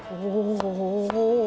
お！